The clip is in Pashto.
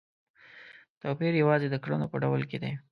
توپیر یوازې د کړنو په ډول کې دی.